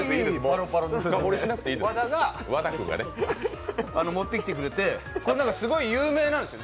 ぱろぱろの和田が持ってきてくれて、これすごい有名なんですよ